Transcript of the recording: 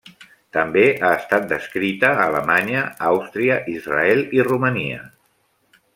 També ha estat descrita a Alemanya, Àustria, Israel i Romania.